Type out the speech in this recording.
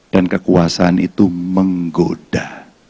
dan kekuasaan itu menggoda